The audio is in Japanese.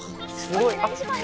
お願いします！